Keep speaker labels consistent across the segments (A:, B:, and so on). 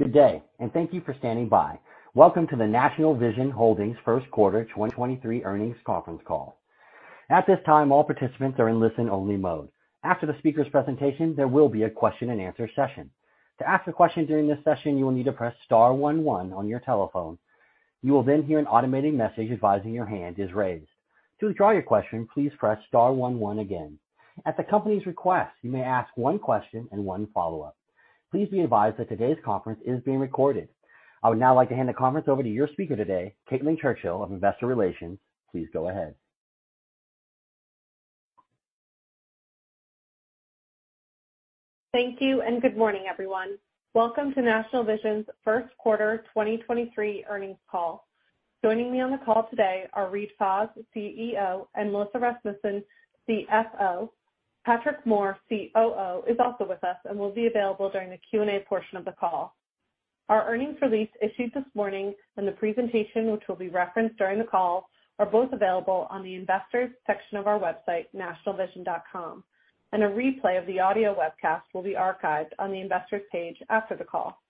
A: Good day. Thank you for standing by. Welcome to the National Vision Holdings Q1 2023 Earnings Conference Call. At this time, all participants are in listen-only mode. After the speaker's presentation, there will be a question-and-answer session. To ask a question during this session, you will need to press star one one on your telephone. You will hear an automated message advising your hand is raised. To withdraw your question, please press star one, one again. At the company's request, you may ask one question and one follow-up. Please be advised that today's conference is being recorded. I would now like to hand the conference over to your speaker today, Caitlin Churchill of investor relations. Please go ahead.
B: Thank you. Good morning, everyone. Welcome to National Vision's Q1 2023 earnings call. Joining me on the call today are Reade Fahs, CEO, and Melissa Rasmussen, CFO. Patrick Moore, COO, is also with us and will be available during the Q&A portion of the call. Our earnings release issued this morning and the presentation, which will be referenced during the call, are both available on the Investors section of our website, nationalvision.com. A replay of the audio webcast will be archived on the Investors page after the call.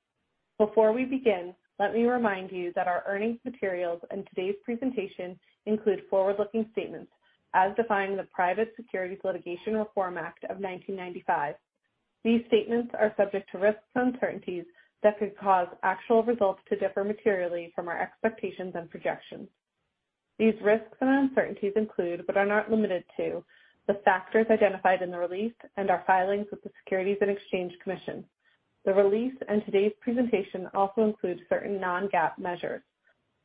B: Before we begin, let me remind you that our earnings materials and today's presentation include forward-looking statements as defined in the Private Securities Litigation Reform Act of 1995. These statements are subject to risks and uncertainties that could cause actual results to differ materially from our expectations and projections. These risks and uncertainties include, but are not limited to, the factors identified in the release and our filings with the Securities and Exchange Commission. The release and today's presentation also include certain non-GAAP measures.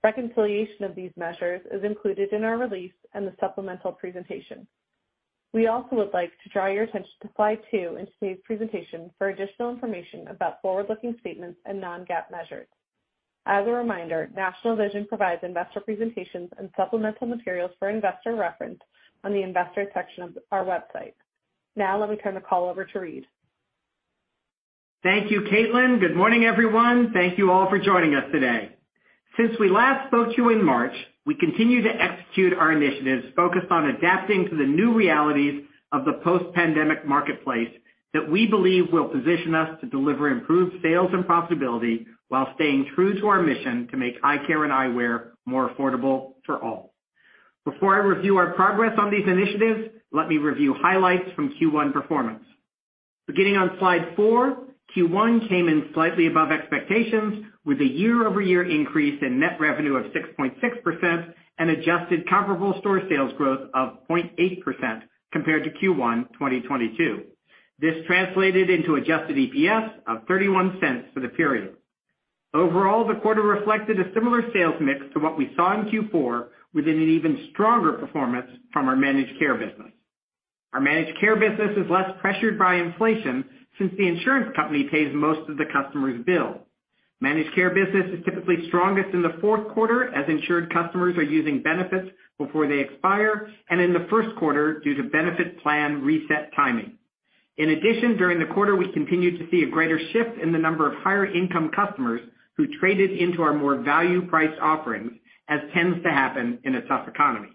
B: Reconciliation of these measures is included in our release and the supplemental presentation. We also would like to draw your attention to slide two in today's presentation for additional information about forward-looking statements and non-GAAP measures. As a reminder, National Vision provides investor presentations and supplemental materials for investor reference on the Investor section of our website. Now, let me turn the call over to Reade.
C: Thank you, Caitlin. Good morning, everyone. Thank you all for joining us today. Since we last spoke to you in March, we continue to execute our initiatives focused on adapting to the new realities of the post-pandemic marketplace that we believe will position us to deliver improved sales and profitability while staying true to our mission to make eye care and eyewear more affordable for all. Before I review our progress on these initiatives, let me review highlights from Q1 performance. Beginning on slide four, Q1 came in slightly above expectations with a year-over-year increase in net revenue of 6.6% and Adjusted Comparable Store Sales growth of 0.8% compared to Q1 2022. This translated into Adjusted EPS of $0.31 for the period. Overall, the quarter reflected a similar sales mix to what we saw in Q4 within an even stronger performance from our managed care business. Our managed care business is less pressured by inflation since the insurance company pays most of the customer's bill. Managed care business is typically strongest in the Q4 as insured customers are using benefits before they expire and in the Q1 due to benefit plan reset timing. In addition, during the quarter, we continued to see a greater shift in the number of higher income customers who traded into our more value-priced offerings, as tends to happen in a tough economy.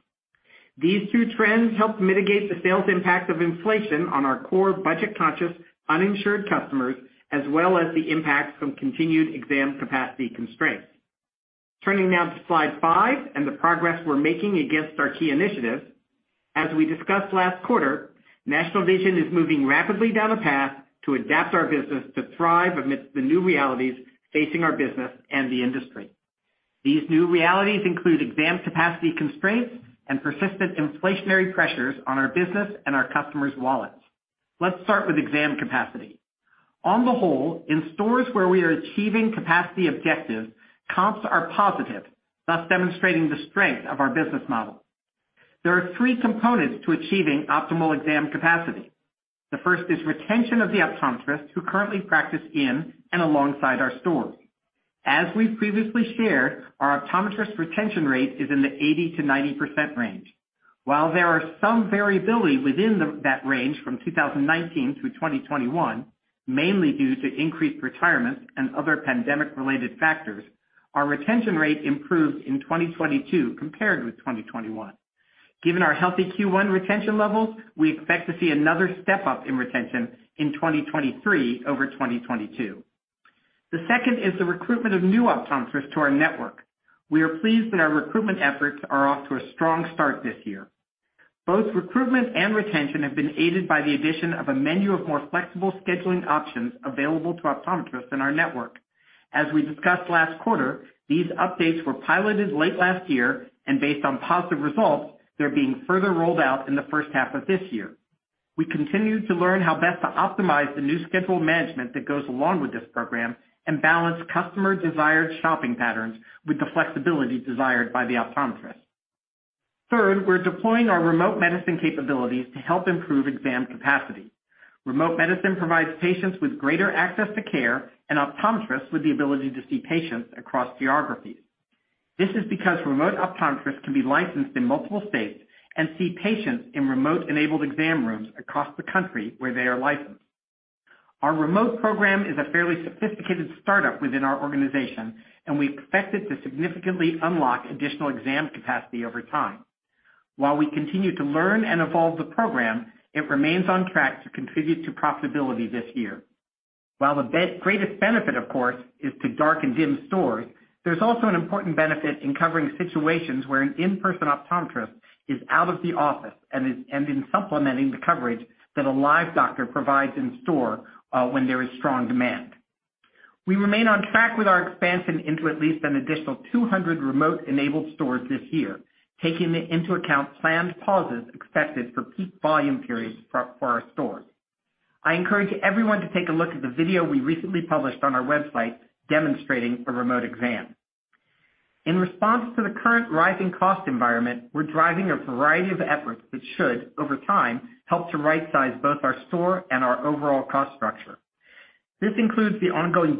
C: These two trends helped mitigate the sales impact of inflation on our core budget-conscious, uninsured customers, as well as the impact from continued exam capacity constraints. Turning now to slide five and the progress we're making against our key initiatives. As we discussed last quarter, National Vision is moving rapidly down a path to adapt our business to thrive amidst the new realities facing our business and the industry. These new realities include exam capacity constraints and persistent inflationary pressures on our business and our customers' wallets. Let's start with exam capacity. On the whole, in stores where we are achieving capacity objectives, comps are positive, thus demonstrating the strength of our business model. There are three components to achieving optimal exam capacity. The first is retention of the optometrists who currently practice in and alongside our stores. As we've previously shared, our optometrist retention rate is in the 80%-90% range. While there are some variability within that range from 2019 through 2021, mainly due to increased retirement and other pandemic-related factors, our retention rate improved in 2022 compared with 2021. Given our healthy Q1 retention levels, we expect to see another step up in retention in 2023 over 2022. The second is the recruitment of new optometrists to our network. We are pleased that our recruitment efforts are off to a strong start this year. Both recruitment and retention have been aided by the addition of a menu of more flexible scheduling options available to optometrists in our network. As we discussed last quarter, these updates were piloted late last year, and based on positive results, they're being further rolled out in the first half of this year. We continue to learn how best to optimize the new schedule management that goes along with this program and balance customer desired shopping patterns with the flexibility desired by the optometrist. Third, we're deploying our remote medicine capabilities to help improve exam capacity. Remote medicine provides patients with greater access to care and optometrists with the ability to see patients across geographies. This is because remote optometrists can be licensed in multiple states and see patients in remote-enabled exam rooms across the country where they are licensed. Our remote program is a fairly sophisticated startup within our organization, and we expect it to significantly unlock additional exam capacity over time. While we continue to learn and evolve the program, it remains on track to contribute to profitability this year. While the greatest benefit, of course, is to dark and dim stores, there's also an important benefit in covering situations where an in-person optometrist is out of the office and in supplementing the coverage that a live doctor provides in store when there is strong demand. We remain on track with our expansion into at least an additional 200 remote-enabled stores this year, taking into account planned pauses expected for peak volume periods for our stores. I encourage everyone to take a look at the video we recently published on our website demonstrating a remote exam. In response to the current rising cost environment, we're driving a variety of efforts that should, over time, help to right size both our store and our overall cost structure. This includes the ongoing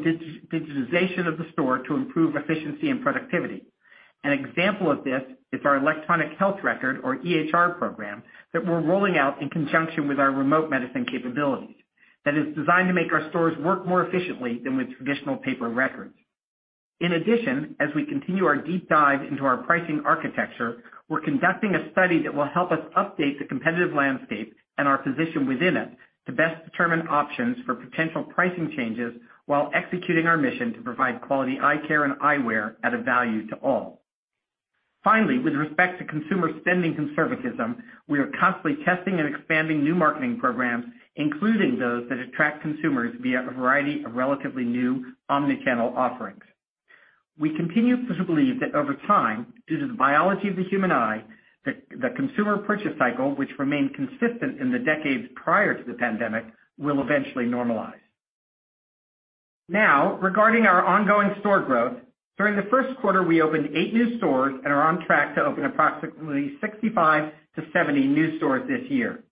C: digitization of the store to improve efficiency and productivity. An example of this is our electronic health record, or EHR program, that we're rolling out in conjunction with our remote medicine capabilities that is designed to make our stores work more efficiently than with traditional paper records. In addition, as we continue our deep dive into our pricing architecture, we're conducting a study that will help us update the competitive landscape and our position within it to best determine options for potential pricing changes while executing our mission to provide quality eye care and eyewear at a value to all. Finally, with respect to consumer spending conservatism, we are constantly testing and expanding new marketing programs, including those that attract consumers via a variety of relatively new omni-channel offerings. We continue to believe that over time, due to the biology of the human eye, the consumer purchase cycle, which remained consistent in the decades prior to the pandemic, will eventually normalize. Regarding our ongoing store growth, during the Q1, we opened eight new stores and are on track to open approximately 65-70 new stores this year.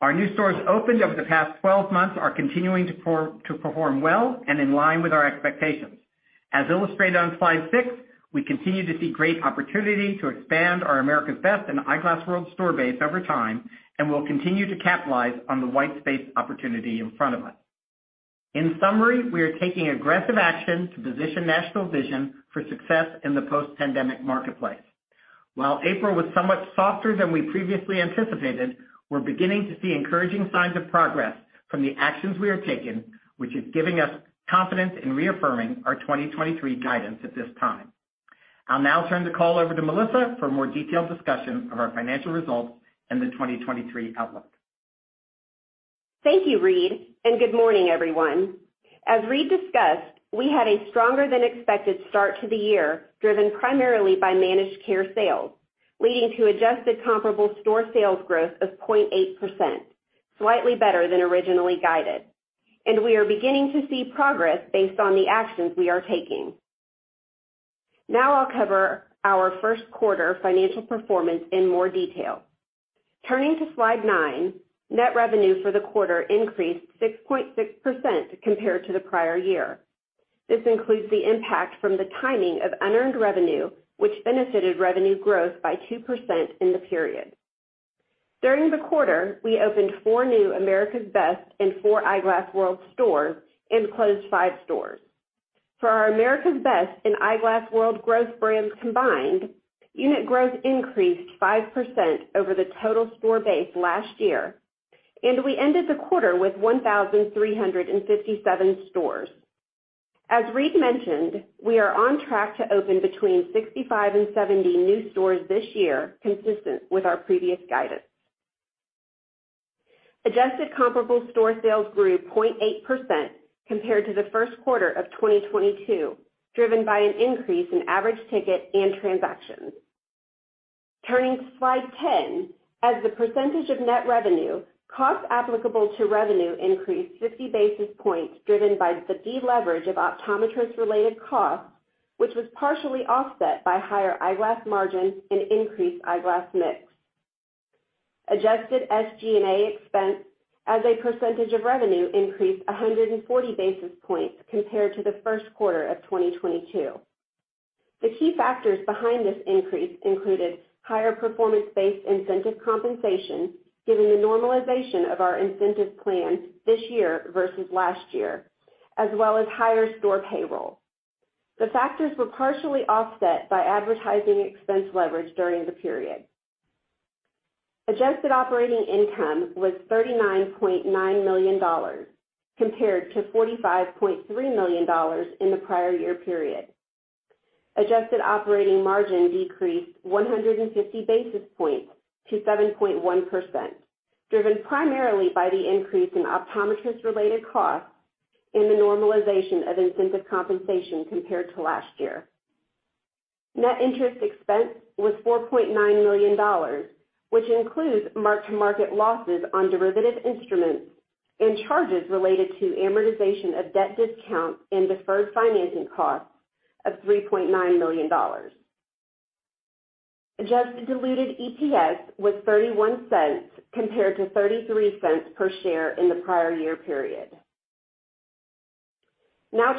C: Our new stores opened over the past 12 months are continuing to perform well and in line with our expectations. As illustrated on slide six, we continue to see great opportunity to expand our America's Best and Eyeglass World store base over time, and we'll continue to capitalize on the white space opportunity in front of us. In summary, we are taking aggressive action to position National Vision for success in the post-pandemic marketplace. While April was somewhat softer than we previously anticipated, we're beginning to see encouraging signs of progress from the actions we are taking, which is giving us confidence in reaffirming our 2023 guidance at this time. I'll now turn the call over to Melissa for a more detailed discussion of our financial results and the 2023 outlook.
D: Thank you, Reade, and good morning, everyone. As Reade discussed, we had a stronger than expected start to the year, driven primarily by managed care sales, leading to Adjusted Comparable Store Sales growth of 0.8%, slightly better than originally guided. We are beginning to see progress based on the actions we are taking. Now I'll cover our Q1 financial performance in more detail. Turning to slide nine, net revenue for the quarter increased 6.6% compared to the prior year. This includes the impact from the timing of unearned revenue, which benefited revenue growth by 2% in the period. During the quarter, we opened four new America's Best and four Eyeglass World stores and closed five stores. For our America's Best and Eyeglass World growth brands combined, unit growth increased 5% over the total store base last year. We ended the quarter with 1,357 stores. As Reade mentioned, we are on track to open between 65 and 70 new stores this year, consistent with our previous guidance. Adjusted Comparable Store Sales grew 0.8% compared to the Q1 of 2022, driven by an increase in average ticket and transactions. Turning to slide 10, as the percentage of net revenue, costs applicable to revenue increased 50 basis points, driven by the deleverage of optometrist-related costs, which was partially offset by higher eyeglass margins and increased eyeglass mix. Adjusted SG&A expense as a percentage of revenue increased 140 basis points compared to the Q1 of 2022. The key factors behind this increase included higher performance-based incentive compensation, given the normalization of our incentive plan this year versus last year, as well as higher store payroll. The factors were partially offset by advertising expense leverage during the period. Adjusted Operating Income was $39.9 million compared to $45.3 million in the prior year period. Adjusted Operating Margin decreased 150 basis points to 7.1%, driven primarily by the increase in optometrist-related costs and the normalization of incentive compensation compared to last year. Net interest expense was $4.9 million, which includes mark-to-market losses on derivative instruments and charges related to amortization of debt discount and deferred financing costs of $3.9 million. Adjusted Diluted EPS was $0.31 compared to $0.33 per share in the prior year period.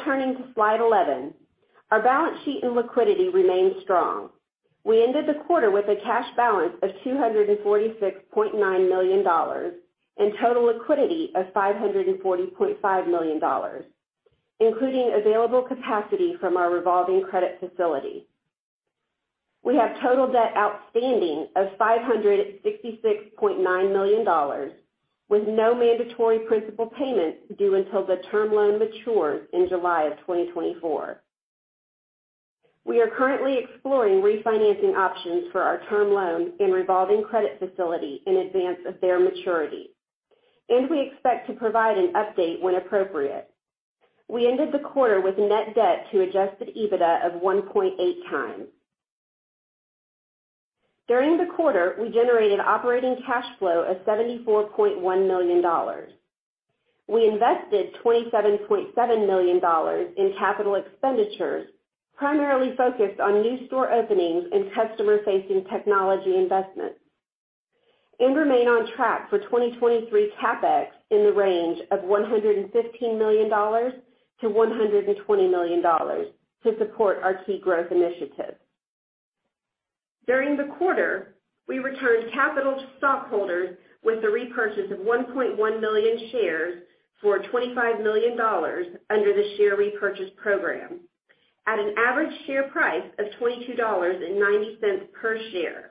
D: Turning to slide 11, our balance sheet and liquidity remained strong. We ended the quarter with a cash balance of $246.9 million and total liquidity of $540.5 million. Including available capacity from our revolving credit facility. We have total debt outstanding of $566.9 million with no mandatory principal payments due until the term loan matures in July of 2024. We are currently exploring refinancing options for our term loan and revolving credit facility in advance of their maturity. We expect to provide an update when appropriate. We ended the quarter with net debt to adjusted EBITDA of 1.8x. During the quarter, we generated operating cash flow of $74.1 million. We invested $27.7 million in capital expenditures, primarily focused on new store openings and customer-facing technology investments, and remain on track for 2023 CapEx in the range of $115 million-$120 million to support our key growth initiatives. During the quarter, we returned capital to stockholders with the repurchase of 1.1 million shares for $25 million under the share repurchase program at an average share price of $22.90 per share.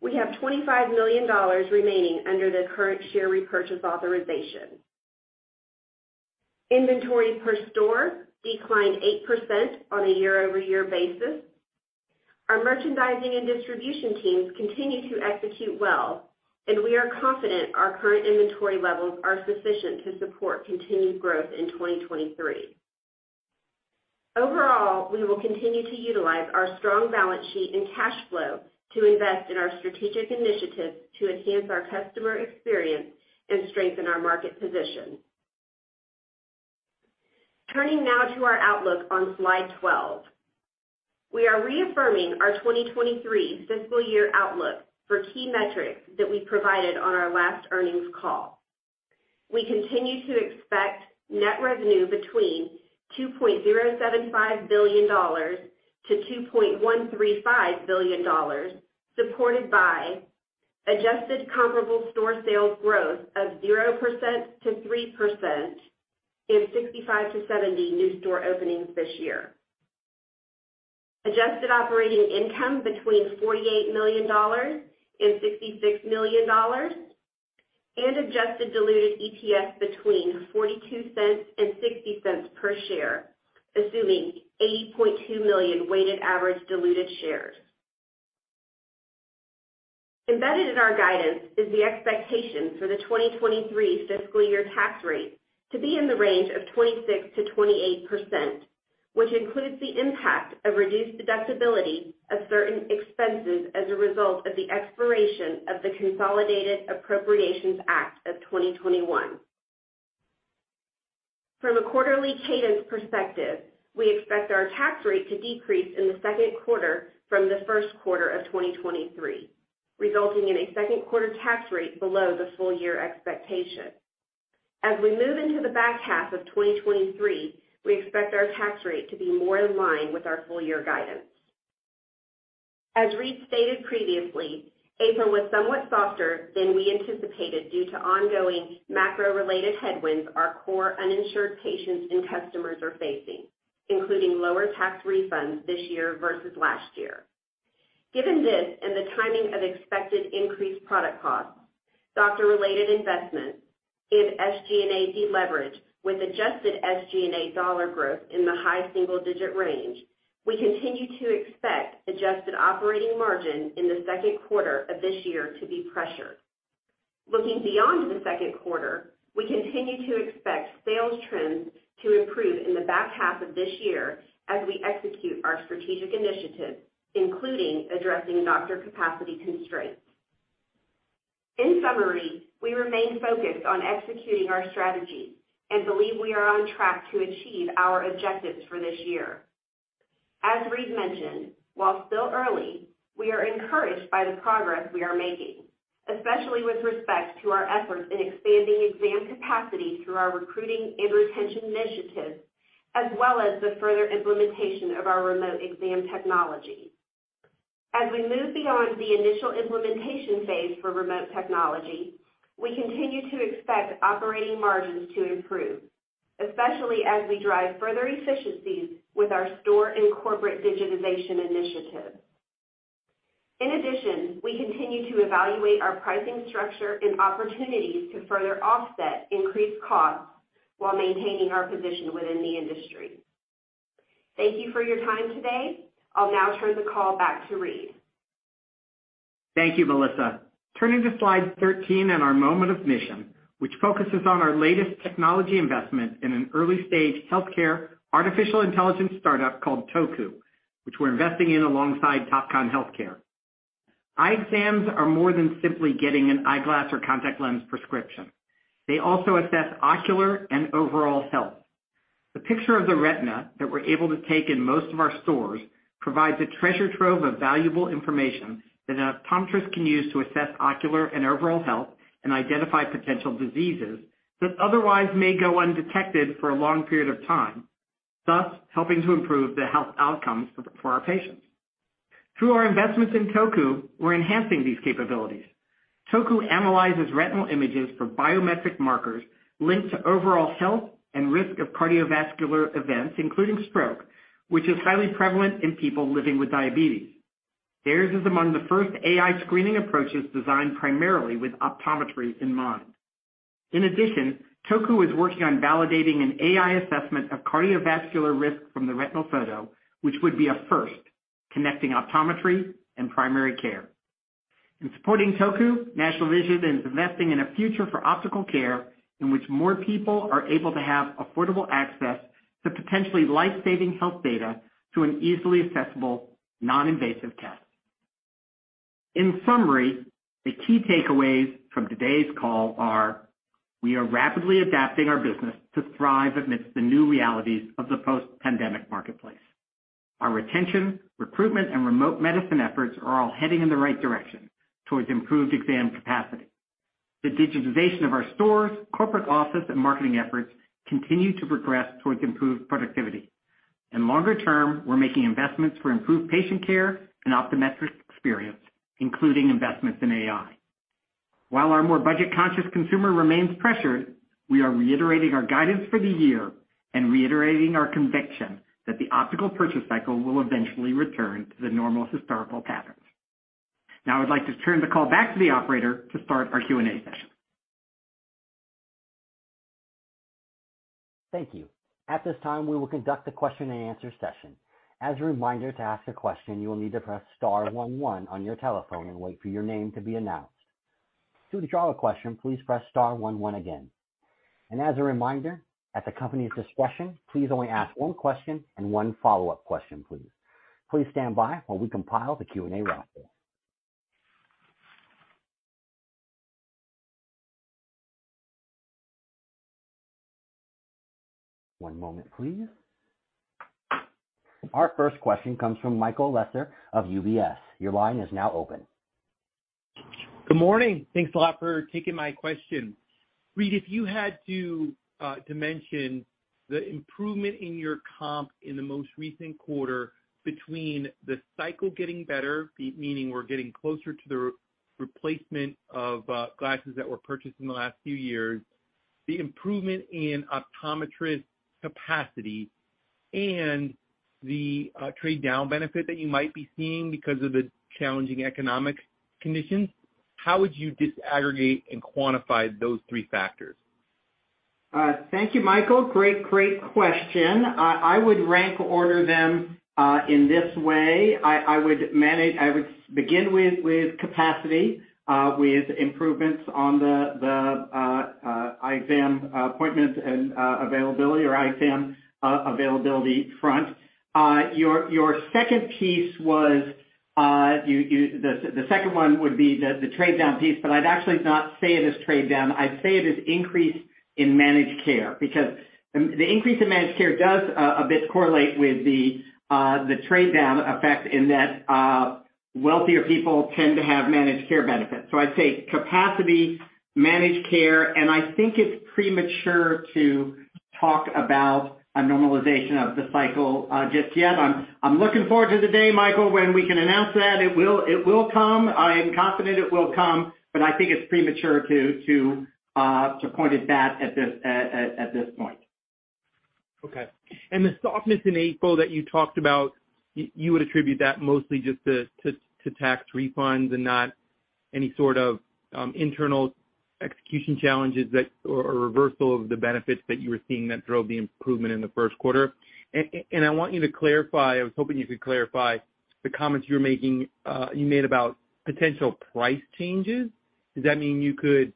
D: We have $25 million remaining under the current share repurchase authorization. Inventory per store declined 8% on a year-over-year basis. Our merchandising and distribution teams continue to execute well, and we are confident our current inventory levels are sufficient to support continued growth in 2023. Overall, we will continue to utilize our strong balance sheet and cash flow to invest in our strategic initiatives to enhance our customer experience and strengthen our market position. Turning now to our outlook on slide 12. We are reaffirming our 2023 fiscal year outlook for key metrics that we provided on our last earnings call. We continue to expect net revenue between $2.075 billion-$2.135 billion, supported by Adjusted Comparable Store Sales growth of 0%-3% in 65-70 new store openings this year. Adjusted Operating Income between $48 million and $66 million, and Adjusted Diluted EPS between $0.42 and $0.60 per share, assuming 80.2 million weighted average diluted shares. Embedded in our guidance is the expectation for the 2023 fiscal year tax rate to be in the range of 26%-28%, which includes the impact of reduced deductibility of certain expenses as a result of the expiration of the Consolidated Appropriations Act of 2021. From a quarterly cadence perspective, we expect our tax rate to decrease in the Q2 from the Q1 of 2023, resulting in a Q2 tax rate below the full year expectation. As we move into the back half of 2023, we expect our tax rate to be more in line with our full year guidance. As Reade stated previously, April was somewhat softer than we anticipated due to ongoing macro related headwinds our core uninsured patients and customers are facing, including lower tax refunds this year versus last year. Given this and the timing of expected increased product costs, doctor related investments, and SG&A deleverage with adjusted SG&A dollar growth in the high single-digit range, we continue to expect Adjusted Operating Margin in the Q2 of this year to be pressured. Looking beyond the Q2, we continue to expect sales trends to improve in the back half of this year as we execute our strategic initiatives, including addressing doctor capacity constraints. In summary, we remain focused on executing our strategy and believe we are on track to achieve our objectives for this year. As Reade mentioned, while still early, we are encouraged by the progress we are making, especially with respect to our efforts in expanding exam capacity through our recruiting and retention initiatives, as well as the further implementation of our remote exam technology. As we move beyond the initial implementation phase for remote technology, we continue to expect operating margins to improve, especially as we drive further efficiencies with our store and corporate digitization initiatives. In addition, we continue to evaluate our pricing structure and opportunities to further offset increased costs while maintaining our position within the industry. Thank you for your time today. I'll now turn the call back to Reade.
C: Thank you, Melissa. Turning to slide 13 and our moment of mission, which focuses on our latest technology investment in an early-stage healthcare artificial intelligence startup called Toku, which we're investing in alongside Topcon Healthcare. Eye exams are more than simply getting an eyeglass or contact lens prescription. They also assess ocular and overall health. The picture of the retina that we're able to take in most of our stores provides a treasure trove of valuable information that an optometrist can use to assess ocular and overall health and identify potential diseases that otherwise may go undetected for a long period of time, thus helping to improve the health outcomes for our patients. Through our investments in Toku, we're enhancing these capabilities. Toku analyzes retinal images for biometric markers linked to overall health and risk of cardiovascular events, including stroke, which is highly prevalent in people living with diabetes. Theirs is among the first AI screening approaches designed primarily with optometry in mind. In addition, Toku is working on validating an AI assessment of cardiovascular risk from the retinal photo, which would be a first, connecting optometry and primary care. In supporting Toku, National Vision is investing in a future for optical care in which more people are able to have affordable access to potentially life-saving health data through an easily accessible, non-invasive test. In summary, the key takeaways from today's call are: we are rapidly adapting our business to thrive amidst the new realities of the post-pandemic marketplace. Our retention, recruitment, and remote medicine efforts are all heading in the right direction towards improved exam capacity. The digitization of our stores, corporate office, and marketing efforts continue to progress towards improved productivity. Longer term, we're making investments for improved patient care and optometric experience, including investments in AI. While our more budget-conscious consumer remains pressured, we are reiterating our guidance for the year and reiterating our conviction that the optical purchase cycle will eventually return to the normal historical patterns. Now I would like to turn the call back to the operator to start our Q&A session.
A: Thank you. At this time, we will conduct the question-and-answer session. As a reminder, to ask a question, you will need to press star one one on your telephone and wait for your name to be announced. To withdraw a question, please press star one one again. As a reminder, at the company's discretion, please only ask one question and one follow-up question please. Please stand by while we compile the Q&A roster. One moment, please. Our first question comes from Michael Lasser of UBS. Your line is now open.
E: Good morning. Thanks a lot for taking my question. Reade, if you had to to mention the improvement in your comp in the most recent quarter between the cycle getting better, meaning we're getting closer to the re-replacement of glasses that were purchased in the last few years, the improvement in optometrist capacity and the trade down benefit that you might be seeing because of the challenging economic conditions, how would you disaggregate and quantify those three factors?
C: Thank you, Michael. Great question. I would rank to order them, in this way. I would begin with capacity, with improvements on the eye exam appointment and availability or eye exam availability front. Your second piece was, the second one would be the trade down piece, but I'd actually not say it is trade down. I'd say it is increase in managed care because the increase in managed care does a bit correlate with the trade down effect in that wealthier people tend to have managed care benefits. I'd say capacity, managed care, and I think it's premature to talk about a normalization of the cycle just yet. I'm looking forward to the day, Michael, when we can announce that. It will come. I am confident it will come, but I think it's premature to point at that at this point.
E: Okay. The softness in April that you talked about, you would attribute that mostly just to tax refunds and not any sort of internal execution challenges that or reversal of the benefits that you were seeing that drove the improvement in the Q1? I want you to clarify, I was hoping you could clarify the comments you were making, you made about potential price changes. Does that mean you could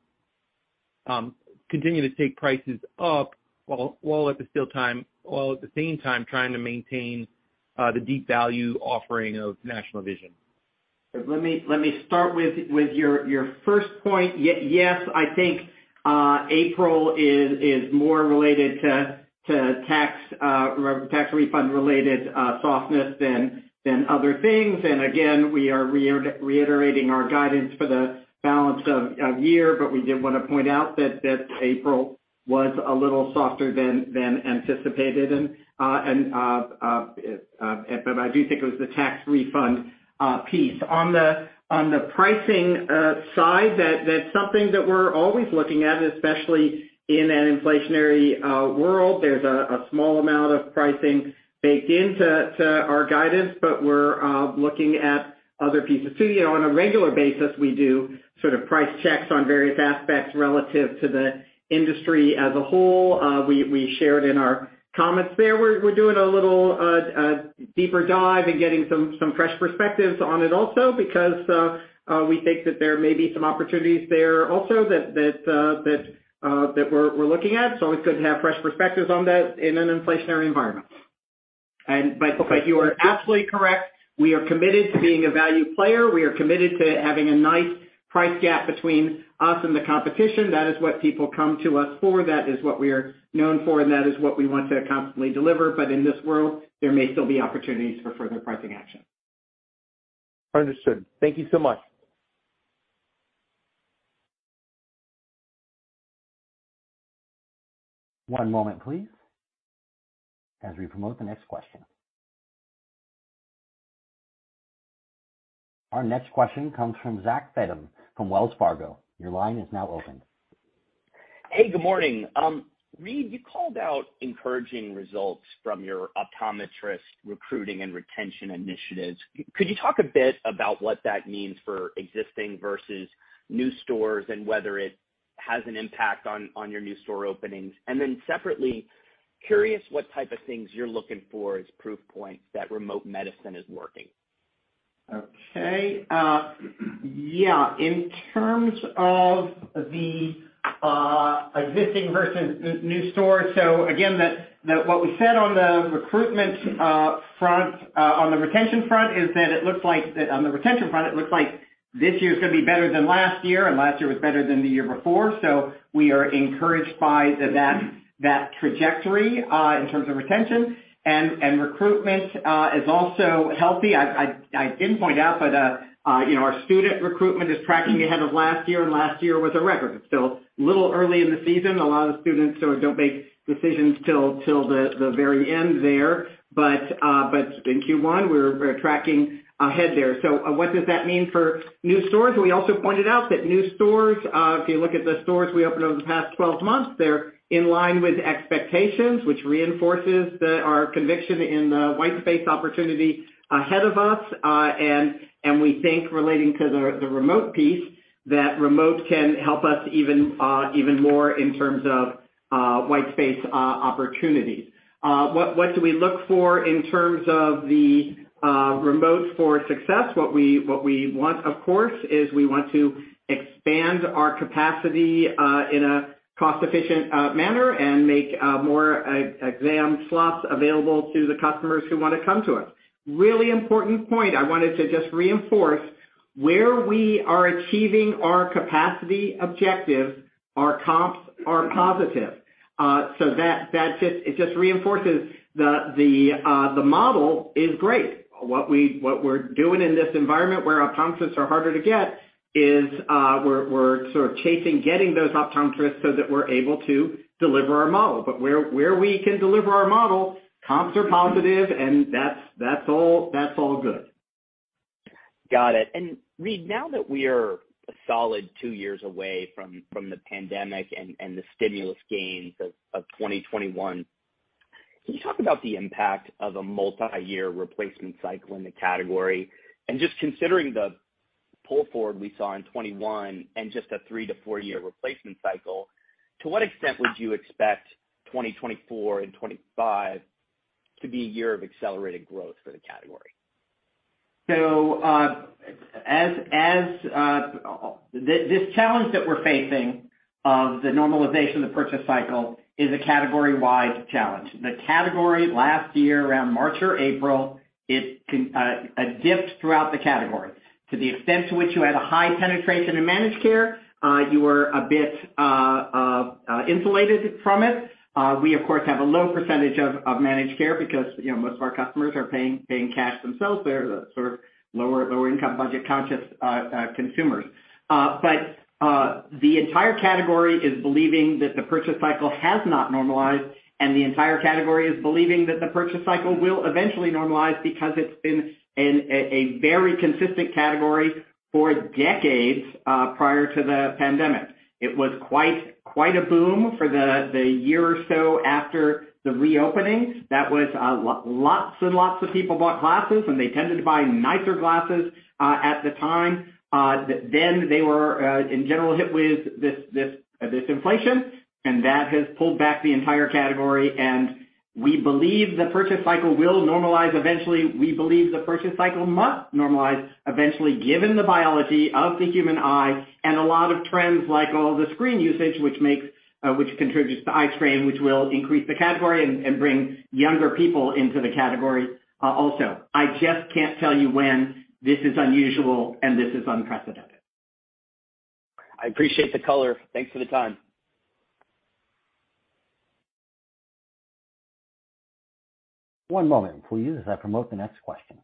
E: continue to take prices up while at the same time trying to maintain the deep value offering of National Vision?
C: Let me start with your first point. Yes, I think April is more related to tax refund related softness than other things. Again, we are reiterating our guidance for the balance of year, but we did wanna point out that April was a little softer than anticipated, but I do think it was the tax refund piece. On the pricing side, that's something that we're always looking at, especially in an inflationary world. There's a small amount of pricing baked into our guidance, but we're looking at other pieces too. You know, on a regular basis, we do sort of price checks on various aspects relative to the industry as a whole. We shared in our comments there, we're doing a little deeper dive and getting some fresh perspectives on it also because we think that there may be some opportunities there also that we're looking at. Always good to have fresh perspectives on that in an inflationary environment. Michael, you are absolutely correct. We are committed to being a value player. We are committed to having a nice price gap between us and the competition. That is what people come to us for, that is what we are known for, and that is what we want to constantly deliver. In this world, there may still be opportunities for further pricing action.
E: Understood. Thank you so much.
A: One moment, please, as we promote the next question. Our next question comes from Zachary Fadem from Wells Fargo. Your line is now open.
F: Hey, good morning. Reade, you called out encouraging results from your optometrist recruiting and retention initiatives. Could you talk a bit about what that means for existing versus new stores and whether it has an impact on your new store openings? Separately, curious what type of things you're looking for as proof points that remote medicine is working.
C: Okay. Yeah. In terms of the existing versus new stores, again, the what we said on the recruitment front, on the retention front is that it looks like on the retention front, it looks like this year is gonna be better than last year, and last year was better than the year before. We are encouraged by that trajectory in terms of retention. Recruitment is also healthy. I didn't point out, but, you know, our student recruitment is tracking ahead of last year, and last year was a record. It's still a little early in the season. A lot of students sort of don't make decisions till the very end there. In Q1, we're tracking ahead there. What does that mean for new stores? We also pointed out that new stores, if you look at the stores we opened over the past 12 months, they're in line with expectations, which reinforces our conviction in the white space opportunity ahead of us. We think relating to the remote piece, that remote can help us even even more in terms of white space opportunities. What do we look for in terms of the remote for success? What we want, of course, is we want to expand our capacity in a cost-efficient manner and make more e-exam slots available to the customers who wanna come to us. Really important point I wanted to just reinforce, where we are achieving our capacity objective, our comps are positive. It just reinforces the model is great. What we're doing in this environment where optometrists are harder to get is, we're sort of chasing getting those optometrists so that we're able to deliver our model. Where we can deliver our model, comps are positive and that's all good.
F: Got it. Reade, now that we are a solid two years away from the pandemic and the stimulus gains of 2021, can you talk about the impact of a multiyear replacement cycle in the category? Just considering the pull forward we saw in 21 and just a three-to-four-year replacement cycle, to what extent would you expect 2024 and 25 to be a year of accelerated growth for the category?
C: As this challenge that we're facing of the normalization of the purchase cycle is a category-wide challenge. The category last year, around March or April, it dipped throughout the category. To the extent to which you had a high penetration in managed care, you were a bit insulated from it. We of course, have a low percentage of managed care because, you know, most of our customers are paying cash themselves. They're the sort of lower income budget conscious consumers. But the entire category is believing that the purchase cycle has not normalized, and the entire category is believing that the purchase cycle will eventually normalize because it's been a very consistent category for decades prior to the pandemic. It was quite a boom for the year or so after the reopening. That was lots and lots of people bought glasses, and they tended to buy nicer glasses at the time. Then they were in general hit with this inflation, and that has pulled back the entire category. We believe the purchase cycle will normalize eventually. We believe the purchase cycle must normalize eventually, given the biology of the human eye and a lot of trends like all the screen usage, which makes, which contributes to eye strain, which will increase the category and bring younger people into the category also. I just can't tell you when this is unusual and this is unprecedented.
F: I appreciate the color. Thanks for the time.
A: One moment, please, as I promote the next question.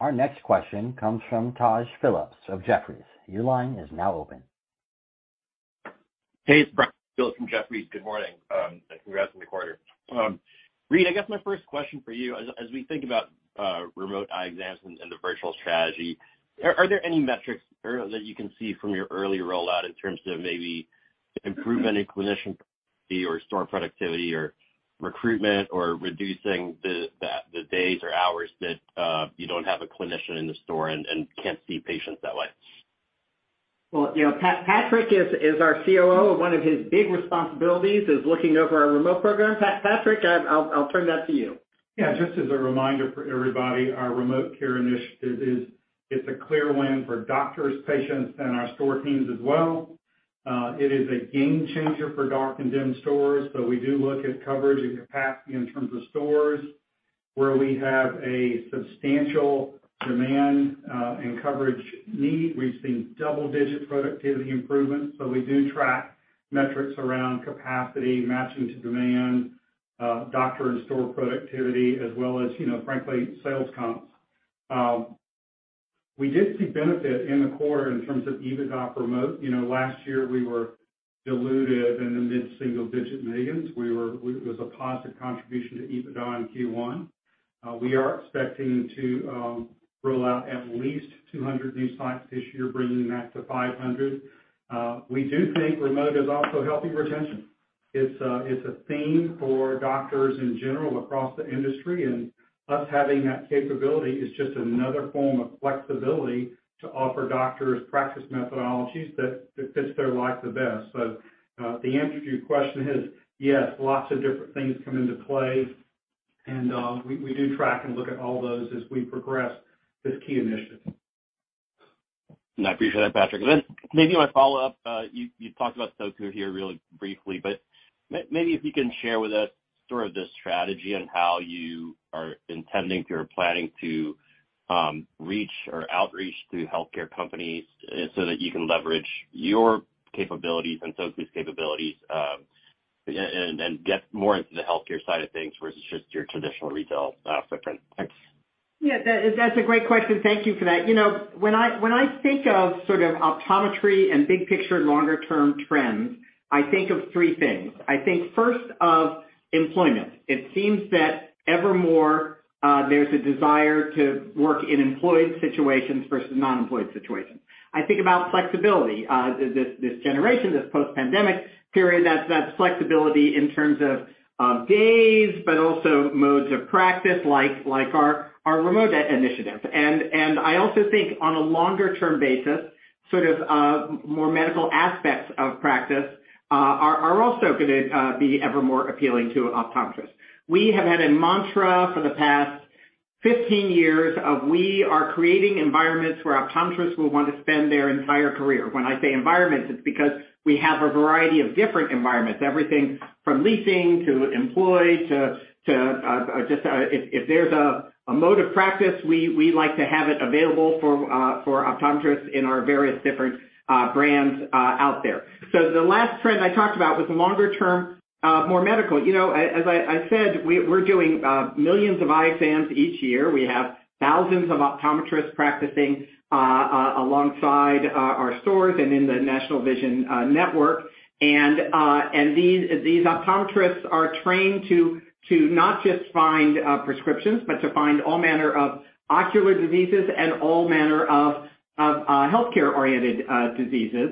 A: Our next question comes from Brian Philips of Jefferies. Your line is now open.
G: Hey, it's Brian Phillips from Jefferies. Good morning, and congrats on the quarter. Reade, I guess my first question for you, as we think about remote eye exams and the virtual strategy, are there any metrics that you can see from your early rollout in terms of maybe improvement in clinician fee or store productivity or recruitment or reducing the days or hours that you don't have a clinician in the store and can't see patients that way?
C: Well, you know, Patrick is our COO. One of his big responsibilities is looking over our remote program. Patrick, I'll turn that to you.
H: Just as a reminder for everybody, our remote care initiative is, it's a clear win for doctors, patients, and our store teams as well. It is a game changer for dark and dim stores. We do look at coverage and capacity in terms of stores where we have a substantial demand, and coverage need. We've seen double-digit productivity improvements, so we do track metrics around capacity matching to demand. Doctor and store productivity as well as, you know, frankly, sales comps. We did see benefit in the quarter in terms of EBITDA promote. You know, last year we were diluted in the mid-single digit millions. It was a positive contribution to EBITDA in Q1. We are expecting to roll out at least 200 new sites this year, bringing that to 500. We do think remote is also helping retention. It's a theme for doctors in general across the industry, and us having that capability is just another form of flexibility to offer doctors practice methodologies that fits their life the best. The answer to your question is, yes, lots of different things come into play, and we do track and look at all those as we progress this key initiative.
G: I appreciate that, Patrick. Maybe my follow-up. you talked about Toku here really briefly, but maybe if you can share with us sort of the strategy on how you are intending to or planning to reach or outreach to healthcare companies so that you can leverage your capabilities and Toku's capabilities and get more into the healthcare side of things versus just your traditional retail footprint? Thanks.
C: Yeah, that's a great question. Thank you for that. You know, when I think of sort of optometry and big picture longer term trends, I think of three things. I think first of employment. It seems that evermore, there's a desire to work in employed situations versus non-employed situations. I think about flexibility. This generation, this post-pandemic period, that's flexibility in terms of days, but also modes of practice like our remote initiative. I also think on a longer term basis, sort of, more medical aspects of practice, are also gonna be evermore appealing to optometrists. We have had a mantra for the past 15 years of we are creating environments where optometrists will want to spend their entire career. When I say environments, it's because we have a variety of different environments, everything from leasing to employed to just, if there's a mode of practice, we like to have it available for optometrists in our various different brands out there. The last trend I talked about was longer term, more medical. You know, as I said, we're doing millions of eye exams each year. We have thousands of optometrists practicing alongside our stores and in the National Vision Network. These optometrists are trained to not just find prescriptions, but to find all manner of ocular diseases and all manner of healthcare-oriented diseases.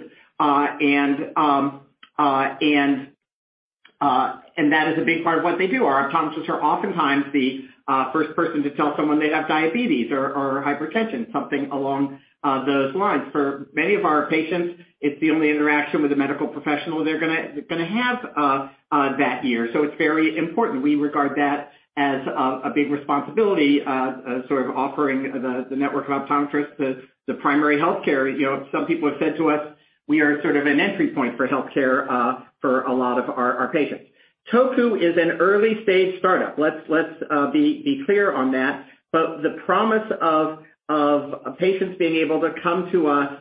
C: That is a big part of what they do. Our optometrists are oftentimes the first person to tell someone they have diabetes or hypertension, something along those lines. For many of our patients, it's the only interaction with a medical professional they're gonna have that year. It's very important. We regard that as a big responsibility, sort of offering the network of optometrists the primary healthcare. You know, some people have said to us we are sort of an entry point for healthcare for a lot of our patients. Toku is an early-stage start-up. Let's be clear on that. The promise of patients being able to come to us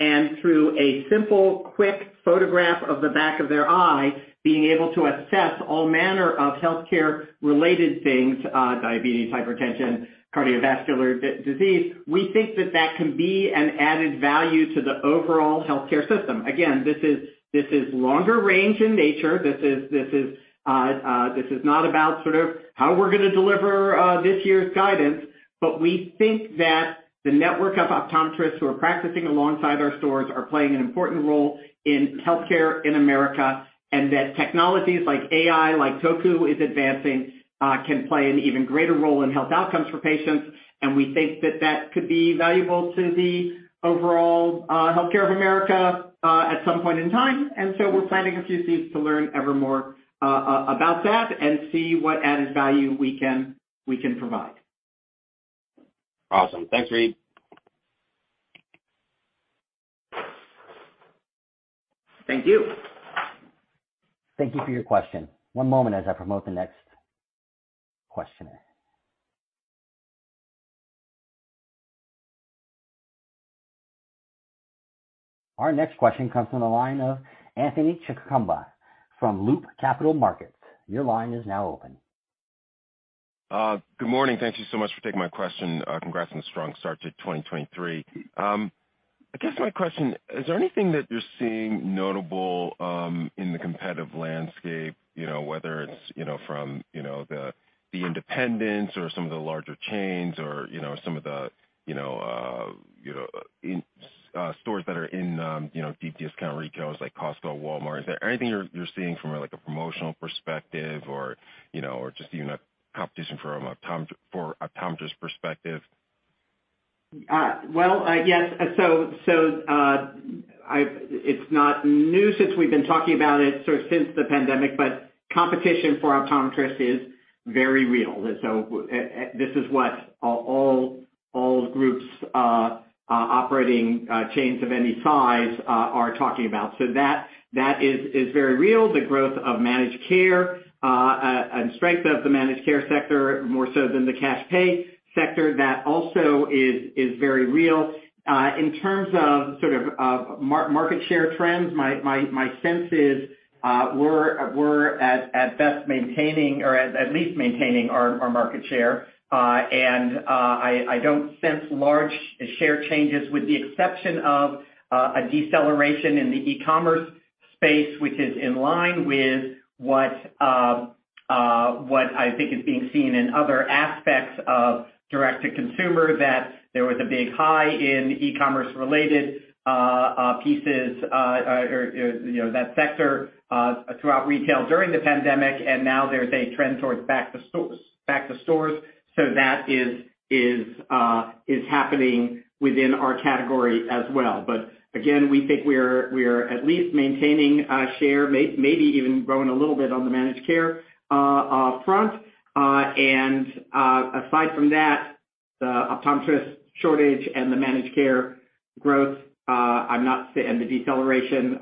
C: and through a simple, quick photograph of the back of their eye, being able to assess all manner of healthcare-related things, diabetes, hypertension, cardiovascular disease, we think that that can be an added value to the overall healthcare system. Again, this is longer-range in nature. This is not about sort of how we're gonna deliver this year's guidance, but we think that the network of optometrists who are practicing alongside our stores are playing an important role in healthcare in America, and that technologies like AI, like Toku is advancing, can play an even greater role in health outcomes for patients. We think that that could be valuable to the overall healthcare of America at some point in time. We're planting a few seeds to learn evermore about that and see what added value we can provide.
G: Awesome. Thanks, Reade.
C: Thank you.
A: Thank you for your question. One moment as I promote the next questioner. Our next question comes from the line of Anthony Chukumba from Loop Capital Markets. Your line is now open.
I: Good morning. Thank you so much for taking my question. Congrats on the strong start to 2023. I guess my question, is there anything that you're seeing notable in the competitive landscape? You know, whether it's, you know, from, you know, the independents or some of the larger chains or, you know, some of the, you know, you know, in, stores that are in, you know, deep discount retailers like Costco, Walmart. Is there anything you're seeing from a, like, a promotional perspective or, you know, or just even a competition for optometrist perspective?
C: Well, yes. It's not new since we've been talking about it sort of since the pandemic, but competition for optometrists is very real. This is what all groups operating chains of any size are talking about. That is very real. The growth of managed care and strength of the managed care sector more so than the cash pay sector, that also is very real. In terms of sort of market share trends, my sense is, we're at best maintaining or at least maintaining our market share. I don't sense large share changes with the exception of a deceleration in the e-commerce space which is in line with what I think is being seen in other aspects of direct to consumer, that there was a big high in e-commerce related pieces, or, you know, that sector throughout retail during the pandemic, and now there's a trend towards back to stores. That is happening within our category as well. Again, we think we're at least maintaining share, maybe even growing a little bit on the managed care front. Aside from that, the optometrist shortage and the managed care growth, the deceleration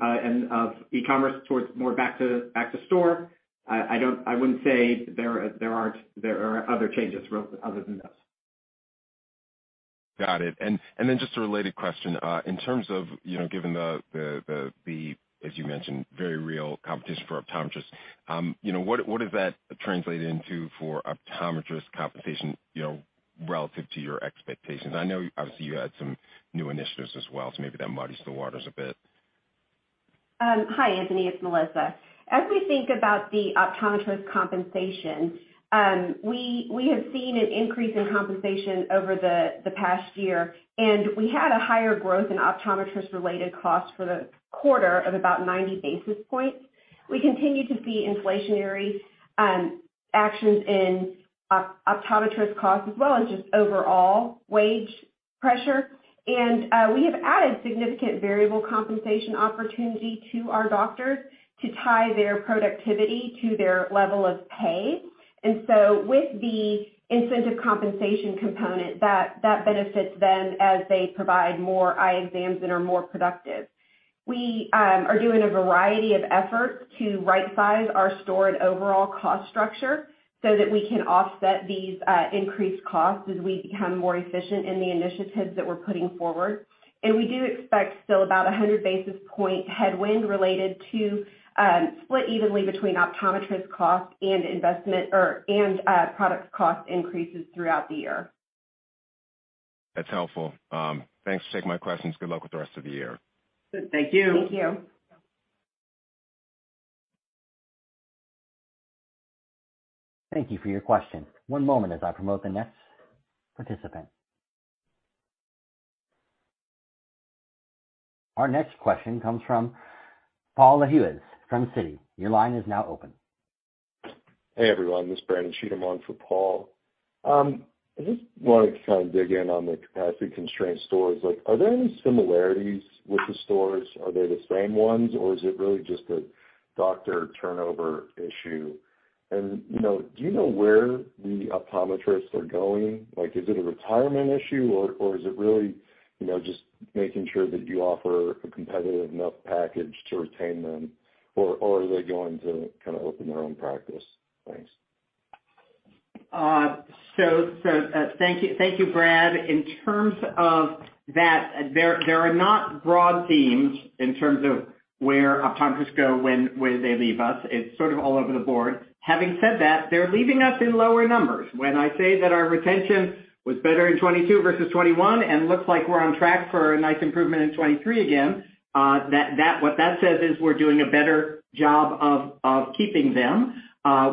C: of e-commerce towards more back to store. I don't, I wouldn't say there aren't, there are other changes other than this.
I: Got it. Then just a related question. In terms of, you know, given the, as you mentioned, very real competition for optometrists, you know, what does that translate into for optometrists compensation, you know, relative to your expectations? I know obviously you had some new initiatives as well, so maybe that muddies the waters a bit.
D: Hi, Anthony, it's Melissa. As we think about the optometrist compensation, we have seen an increase in compensation over the past year, and we had a higher growth in optometrist-related costs for the quarter of about 90 basis points. We continue to see inflationary actions in optometrist costs as well as just overall wage pressure. We have added significant variable compensation opportunity to our doctors to tie their productivity to their level of pay. With the incentive compensation component, that benefits them as they provide more eye exams and are more productive. We are doing a variety of efforts to right size our store and overall cost structure so that we can offset these increased costs as we become more efficient in the initiatives that we're putting forward. We do expect still about 100 basis point headwind related to, split evenly between optometrist costs and investment and product cost increases throughout the year.
I: That's helpful. Thanks for taking my questions. Good luck with the rest of the year.
C: Thank you.
D: Thank you.
A: Thank you for your question. One moment as I promote the next participant. Our next question comes from Paul Lejuez from Citi. Your line is now open.
J: Hey, everyone, this is Brandon Cheatham on for Paul. I just wanted to kind of dig in on the capacity constrained stores. Like, are there any similarities with the stores? Are they the same ones, or is it really just a doctor turnover issue? You know, do you know where the optometrists are going? Like, is it a retirement issue, or is it really, you know, just making sure that you offer a competitive enough package to retain them, or are they going to kind of open their own practice? Thanks.
C: Thank you. Thank you, Brad. In terms of that, there are not broad themes in terms of where optometrists go when they leave us. It's sort of all over the board. Having said that, they're leaving us in lower numbers. When I say that our retention was better in 22 versus 21 and looks like we're on track for a nice improvement in 23 again, what that says is we're doing a better job of keeping them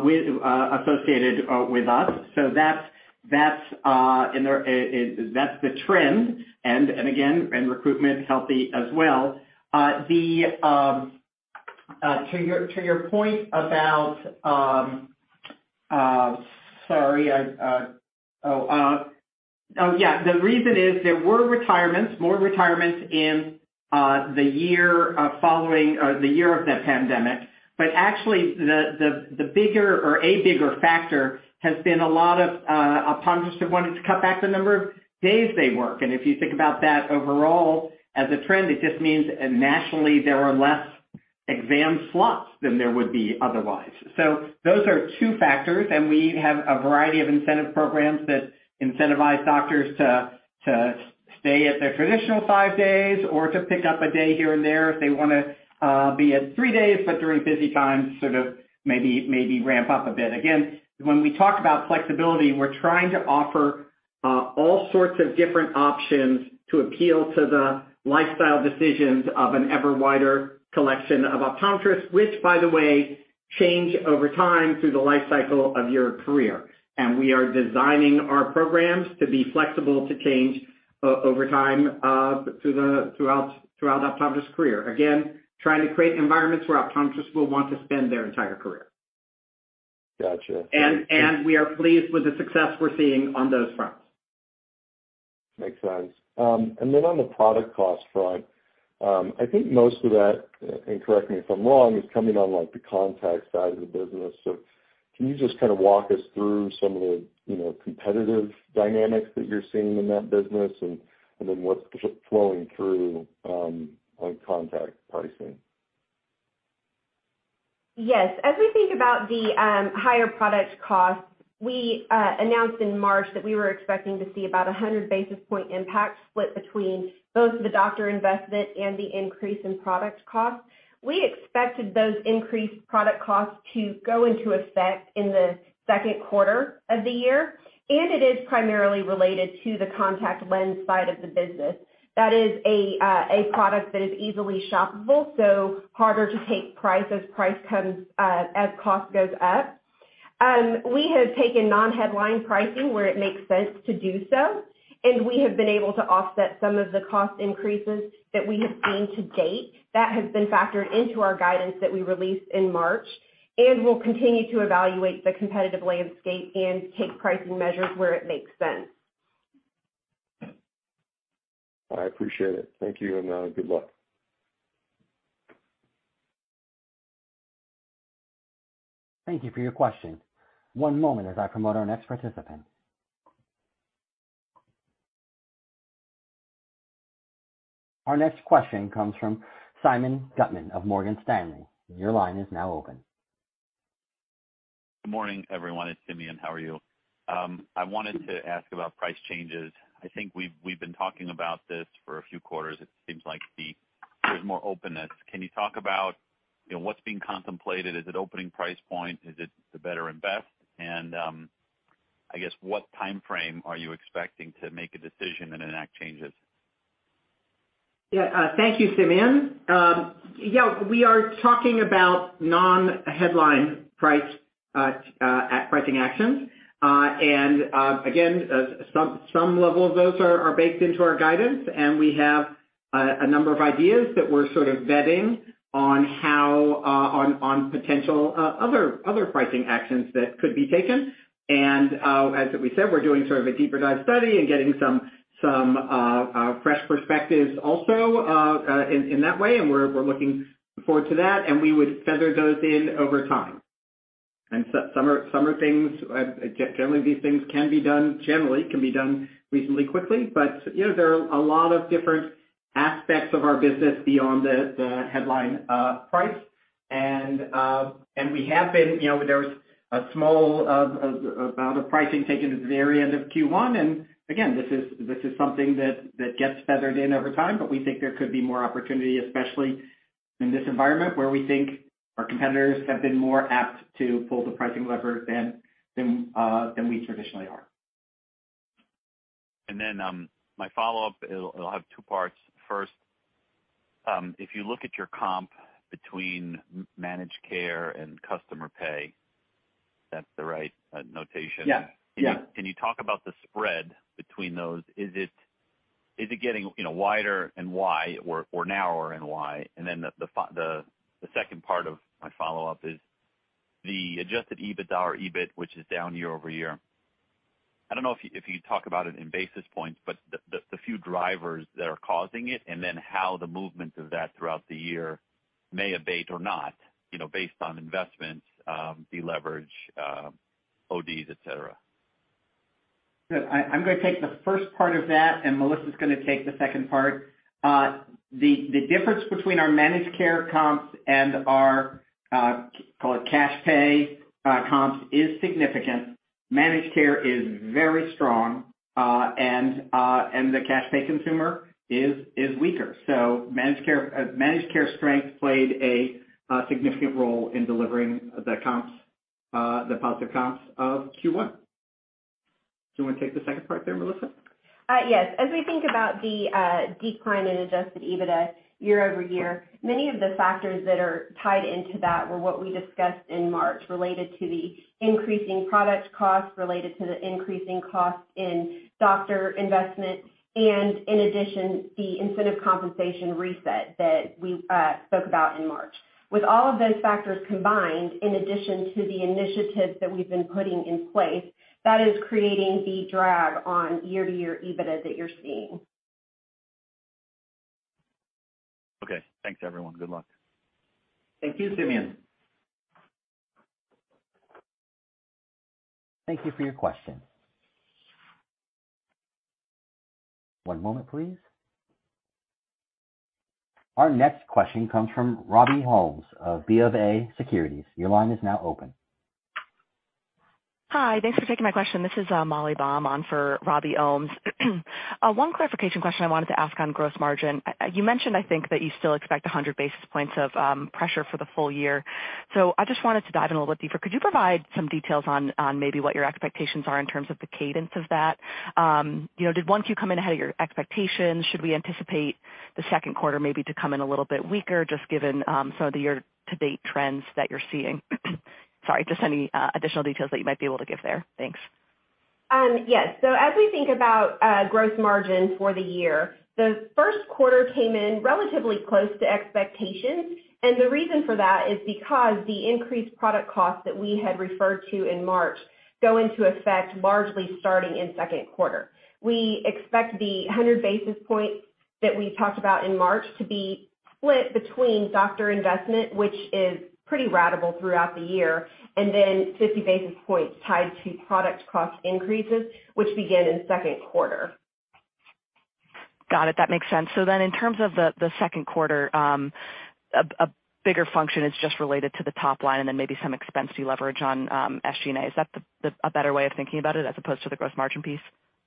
C: with associated with us. That's, that's, and there, is... That's the trend, and again, and recruitment healthy as well. The, to your point about, sorry, I, oh... Oh, yeah, the reason is there were retirements, more retirements in the year following the year of the pandemic. Actually, the bigger or a bigger factor has been a lot of optometrists have wanted to cut back the number of days they work. If you think about that overall as a trend, it just means nationally, there are less exam slots than there would be otherwise. Those are two factors, and we have a variety of incentive programs that incentivize doctors to stay at their traditional five days or to pick up a day here and there if they wanna be at three days, but during busy times, sort of maybe ramp up a bit. When we talk about flexibility, we're trying to offer all sorts of different options to appeal to the lifestyle decisions of an ever wider collection of optometrists, which, by the way, change over time through the life cycle of your career. We are designing our programs to be flexible to change over time throughout optometrist's career. Trying to create environments where optometrists will want to spend their entire career.
J: Gotcha.
C: We are pleased with the success we're seeing on those fronts.
J: Makes sense. On the product cost front, I think most of that, and correct me if I'm wrong, is coming on like the contact side of the business. Can you just kind of walk us through some of the, you know, competitive dynamics that you're seeing in that business and then what's flowing through on contact pricing?
D: Yes. As we think about the higher product costs, we announced in March that we were expecting to see about a 100 basis point impact split between both the doctor investment and the increase in product costs. We expected those increased product costs to go into effect in the Q2 of the year. It is primarily related to the contact lens side of the business. That is a product that is easily shoppable, so harder to take price as price comes, as cost goes up. We have taken non-headline pricing where it makes sense to do so. We have been able to offset some of the cost increases that we have seen to date. That has been factored into our guidance that we released in March. We'll continue to evaluate the competitive landscape and take pricing measures where it makes sense.
J: I appreciate it. Thank you, and good luck.
A: Thank you for your question. One moment as I promote our next participant. Our next question comes from Simeon Gutman of Morgan Stanley. Your line is now open.
K: Good morning, everyone. It's Simeon. How are you? I wanted to ask about price changes. I think we've been talking about this for a few quarters. It seems like there's more openness. Can you talk about, you know, what's being contemplated? Is it opening price point? Is it the better invest? I guess, what timeframe are you expecting to make a decision and enact changes?
C: Yeah. Thank you, Simeon. Yeah, we are talking about non-headline price, pricing actions. Again, some level of those are baked into our guidance, and we have a number of ideas that we're sort of vetting on how on potential pricing actions that could be taken. As we said, we're doing sort of a deeper dive study and getting some fresh perspectives also in that way, and we're looking forward to that, and we would feather those in over time. Some are things generally these things can be done reasonably quickly. You know, there are a lot of different aspects of our business beyond the headline price. We have been, you know, there was a small amount of pricing taken at the very end of Q1. Again, this is something that gets feathered in over time, but we think there could be more opportunity, especially in this environment, where we think our competitors have been more apt to pull the pricing lever than we traditionally are.
K: My follow-up, it'll have two parts. First, if you look at your comp between managed care and customer pay, if that's the right notation.
C: Yes, yeah.
K: Can you talk about the spread between those? Is it getting, you know, wider and why or narrower and why? The second part of my follow-up is the adjusted EBITDA or EBIT, which is down year-over-year. I don't know if you'd talk about it in basis points, but the few drivers that are causing it and then how the movement of that throughout the year may abate or not, you know, based on investments, deleverage, ODs, et cetera.
C: Good. I'm gonna take the first part of that. Melissa's gonna take the second part. The difference between our managed care comps and our call it cash pay comps is significant. Managed care is very strong, and the cash pay consumer is weaker. Managed care strength played a significant role in delivering the comps, the positive comps of Q1. Do you wanna take the second part there, Melissa?
D: Yes. As we think about the decline in adjusted EBITDA year-over-year, many of the factors that are tied into that were what we discussed in March related to the increasing product costs, related to the increasing costs in doctor investment and in addition, the incentive compensation reset that we spoke about in March. With all of those factors combined, in addition to the initiatives that we've been putting in place, that is creating the drag on year-to-year EBITDA that you're seeing.
K: Okay. Thanks, everyone. Good luck.
C: Thank you, Simeon.
A: Thank you for your question. One moment, please. Our next question comes from Robbie Holmes of BofA Securities. Your line is now open.
L: Hi. Thanks for taking my question. This is Molly Baum on for Robbie Holmes. One clarification question I wanted to ask on gross margin. You mentioned, I think, that you still expect 100 basis points of pressure for the full year. I just wanted to dive in a little deeper. Could you provide some details on maybe what your expectations are in terms of the cadence of that? You know, did Q1 come in ahead of your expectations? Should we anticipate the Q2 maybe to come in a little bit weaker just given some of the year-to-date trends that you're seeing? Sorry, just any additional details that you might be able to give there. Thanks.
D: Yes. As we think about gross margin for the year, the Q1 came in relatively close to expectations. The reason for that is because the increased product costs that we had referred to in March go into effect largely starting in Q2. We expect the 100 basis points that we talked about in March to be split between doctor investment, which is pretty ratable throughout the year, and then 50 basis points tied to product cost increases, which begin in Q2.
L: Got it. That makes sense. In terms of the Q2, a bigger function is just related to the top line and then maybe some expense you leverage on SG&A. Is that a better way of thinking about it as opposed to the gross margin piece?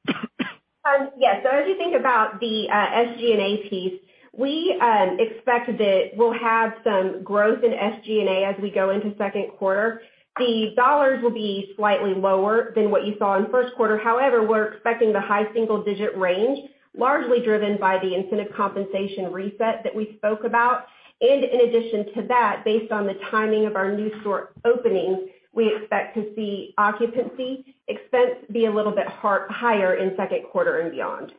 D: As you think about the SG&A piece, we expect that we'll have some growth in SG&A as we go into Q2. The dollars will be slightly lower than what you saw in Q1. However, we're expecting the high single-digit range, largely driven by the incentive compensation reset that we spoke about. In addition to that, based on the timing of our new store openings, we expect to see occupancy expense be a little bit higher in Q2 and beyond.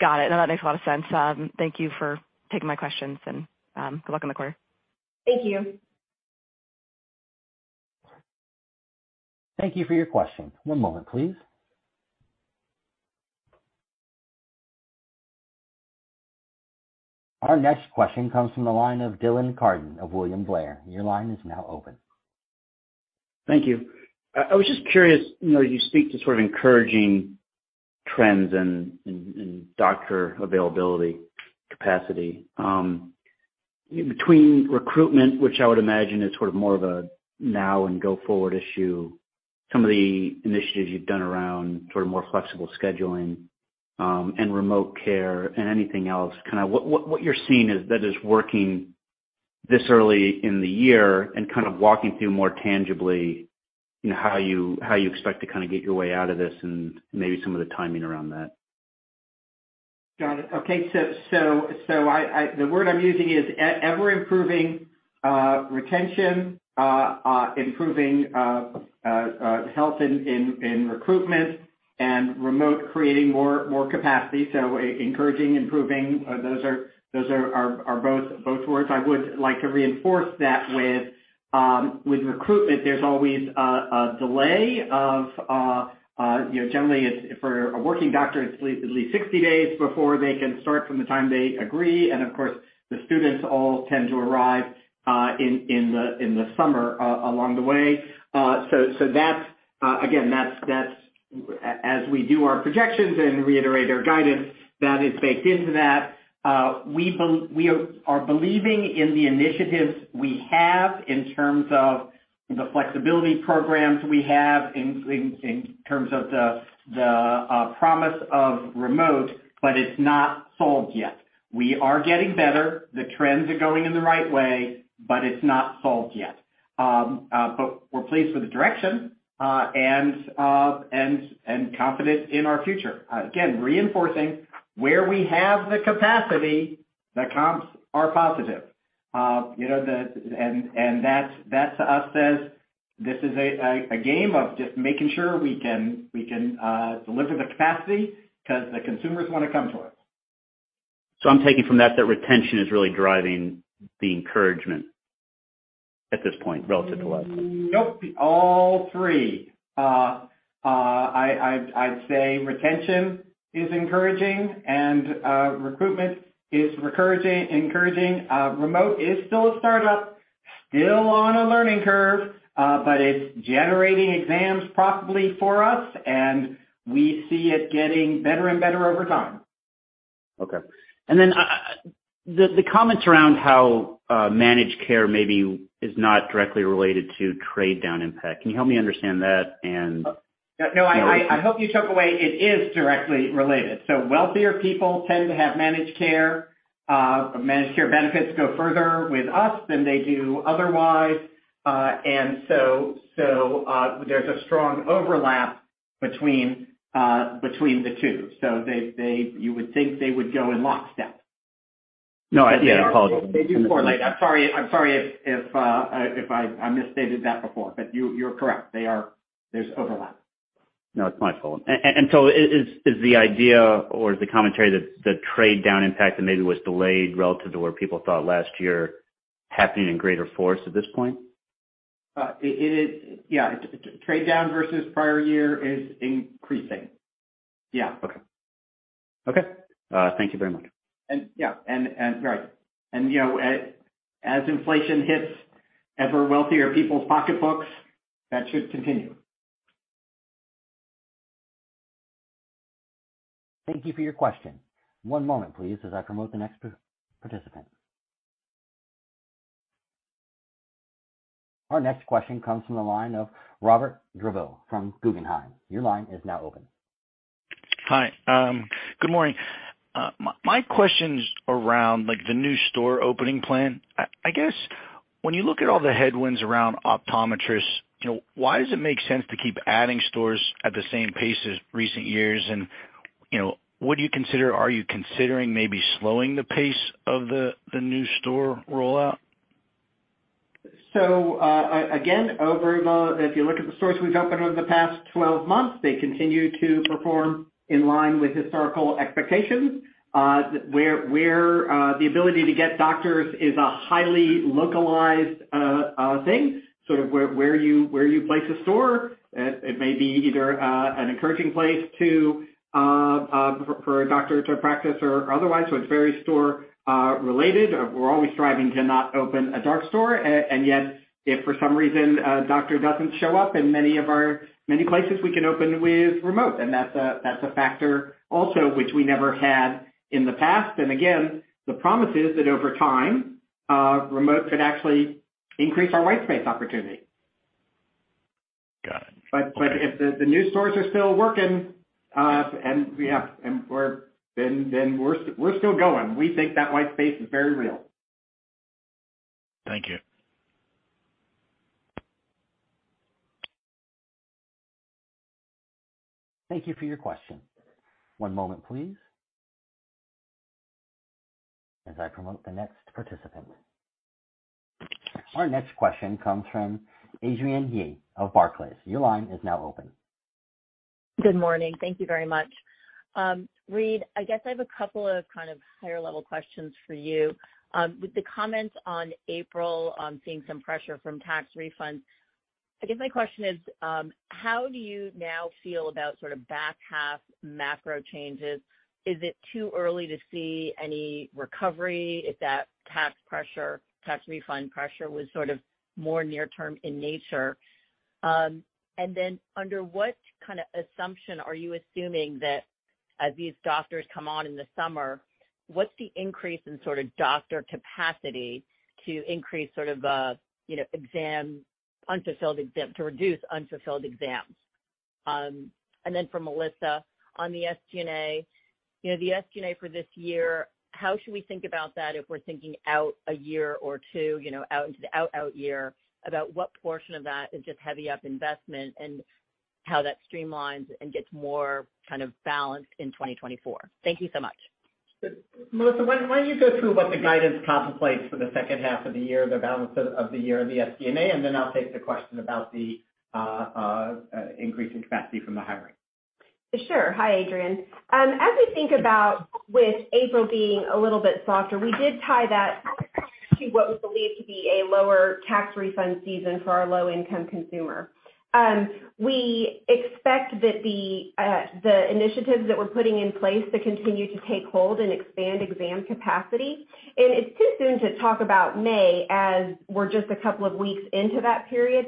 L: Got it. No, that makes a lot of sense. Thank you for taking my questions and good luck on the quarter.
D: Thank you.
A: Thank you for your question. One moment, please. Our next question comes from the line of Dylan Carden of William Blair. Your line is now open.
M: Thank you. I was just curious, you know, you speak to sort of encouraging trends in doctor availability capacity. Between recruitment, which I would imagine is sort of more of a now and go-forward issue, some of the initiatives you've done around sort of more flexible scheduling, and remote care and anything else, kinda what you're seeing that is working this early in the year and kind of walking through more tangibly, you know, how you, how you expect to kinda get your way out of this and maybe some of the timing around that.
C: Got it. Okay. The word I'm using is ever improving retention, improving health in recruitment and remote creating more capacity. Encouraging, improving, those are both words. I would like to reinforce that with recruitment, there's always a delay of, you know, generally it's for a working doctor, it's at least 60 days before they can start from the time they agree. Of course, the students all tend to arrive in the summer along the way. That's again, that's as we do our projections and reiterate our guidance, that is baked into that. We are believing in the initiatives we have in terms of the flexibility programs we have in terms of the promise of remote, but it's not solved yet. We are getting better. The trends are going in the right way, but it's not solved yet. We're pleased with the direction and confident in our future. Again, reinforcing where we have the capacity, the comps are positive. You know, the... That to us says this is a game of just making sure we can deliver the capacity because the consumers wanna come to us.
M: I'm taking from that retention is really driving the encouragement at this point relative to last time.
C: Nope. All three. I'd say retention is encouraging and recruitment is recurring-encouraging. Remote is still a startup, still on a learning curve. It's generating exams profitably for us, and we see it getting better and better over time.
M: Okay. Then the comments around how managed care maybe is not directly related to trade down impact. Can you help me understand that?
C: No, I hope you took away it is directly related. Wealthier people tend to have managed care. Managed care benefits go further with us than they do otherwise. There's a strong overlap between the two. They... You would think they would go in lockstep.
M: No, I did. I apologize.
C: They do correlate. I'm sorry if I misstated that before, but you're correct. They are. There's overlap.
M: No, it's my fault. Is the idea or is the commentary that the trade down impact that maybe was delayed relative to where people thought last year happening in greater force at this point?
C: It is. Yeah. Trade down versus prior year is increasing. Yeah.
M: Okay. Okay. thank you very much.
C: Yeah, and right. You know, as inflation hits ever wealthier people's pocketbooks, that should continue.
A: Thank you for your question. One moment, please, as I promote the next participant. Our next question comes from the line of Robert Drbul from Guggenheim. Your line is now open.
N: Hi. Good morning. My question's around, like, the new store opening plan. I guess when you look at all the headwinds around optometrists, you know, why does it make sense to keep adding stores at the same pace as recent years? You know, would you consider, are you considering maybe slowing the pace of the new store rollout?
C: Again, over the... If you look at the stores we've opened over the past 12 months, they continue to perform in line with historical expectations. where the ability to get doctors is a highly localized thing, sort of where you place a store, it may be either an encouraging place to for a doctor to practice or otherwise. It's very store related. We're always striving to not open a dark store, and yet if for some reason a doctor doesn't show up in many places we can open with remote. That's a factor also, which we never had in the past. Again, the promise is that over time, remote could actually increase our white space opportunity.
N: Got it.
C: If the new stores are still working, then we're still going. We think that white space is very real.
N: Thank you.
A: Thank you for your question. One moment, please, as I promote the next participant. Our next question comes from Adrienne Yih of Barclays. Your line is now open.
O: Good morning. Thank you very much. Reade, I guess I have a couple of kind of higher level questions for you. With the comments on April on seeing some pressure from tax refunds, I guess my question is, how do you now feel about sort of back half macro changes? Is it too early to see any recovery if that tax pressure, tax refund pressure was sort of more near-term in nature? Under what kind of assumption are you assuming that as these doctors come on in the summer, what's the increase in sort of doctor capacity to increase sort of, you know, to reduce unfulfilled exams? For Melissa, on the SG&A, you know, the SG&A for this year, how should we think about that if we're thinking out a year or two, you know, out into the out year about what portion of that is just heavy up investment and how that streamlines and gets more kind of balanced in 2024? Thank you so much.
C: Melissa, why don't you go through what the guidance contemplates for the second half of the year, the balance of the year of the SG&A, and then I'll take the question about the increase in capacity from the hiring.
D: Sure. Hi, Adrienne. As we think about with April being a little bit softer, we did tie that to what we believe to be a lower tax refund season for our low income consumer. We expect that the initiatives that we're putting in place to continue to take hold and expand exam capacity. It's too soon to talk about May as we're just a couple of weeks into that period.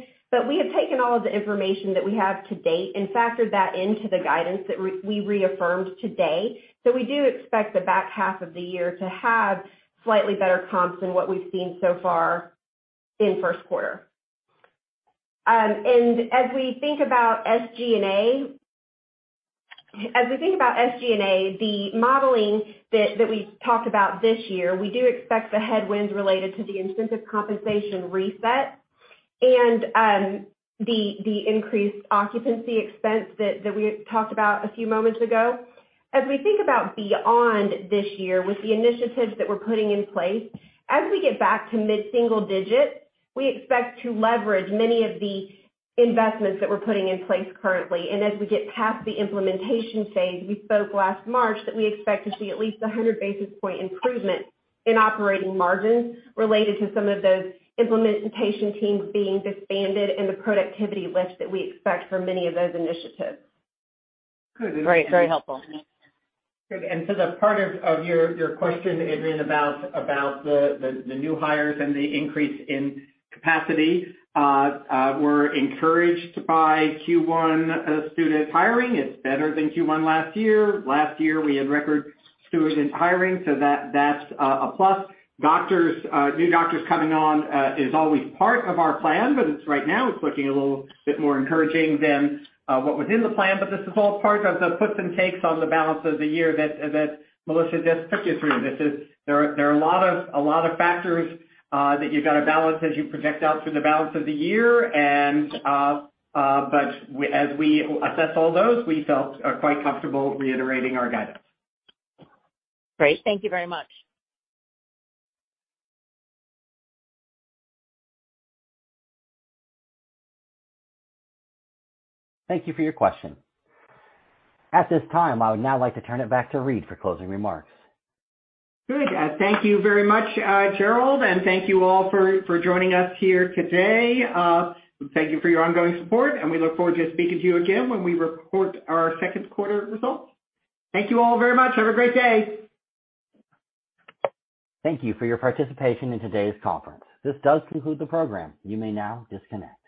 D: We have taken all of the information that we have to date and factored that into the guidance that we reaffirmed today. We do expect the back half of the year to have slightly better comps than what we've seen so far in Q1 As we think about SG&A, the modeling that we talked about this year, we do expect the headwinds related to the incentive compensation reset and the increased occupancy expense that we talked about a few moments ago. As we think about beyond this year with the initiatives that we're putting in place, as we get back to mid-single digit, we expect to leverage many of the investments that we're putting in place currently. As we get past the implementation phase, we spoke last March that we expect to see at least 100 basis point improvement in operating margins related to some of those implementation teams being disbanded and the productivity lift that we expect from many of those initiatives.
O: Great. Very helpful.
C: To the part of your question, Adrienne, about the new hires and the increase in capacity, we're encouraged by Q1 student hiring. It's better than Q1 last year. Last year, we had record student hiring, so that's a plus. Doctors, new doctors coming on, is always part of our plan, but it's right now it's looking a little bit more encouraging than what was in the plan. This is all part of the puts and takes on the balance of the year that Melissa just took you through. There are a lot of factors that you've got to balance as you project out for the balance of the year. But we as we assess all those, we felt quite comfortable reiterating our guidance.
O: Great. Thank you very much.
A: Thank you for your question. At this time, I would now like to turn it back to Reade for closing remarks.
C: Good. Thank you very much, Gerald, and thank you all for joining us here today. Thank you for your ongoing support, and we look forward to speaking to you again when we report our Q2 results. Thank you all very much. Have a great day.
A: Thank you for your participation in today's conference. This does conclude the program. You may now disconnect.